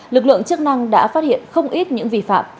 lực lượng chức năng đã phát hiện không ít những vi phạm